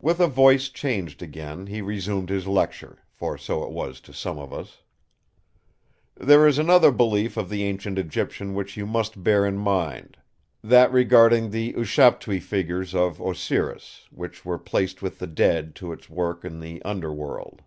With a voice changed again he resumed his lecture, for so it was to some of us: "There is another belief of the ancient Egyptian which you must bear in mind; that regarding the ushaptiu figures of Osiris, which were placed with the dead to its work in the Under World.